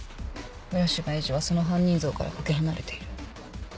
浦島エイジはその犯人像からかけ離れている。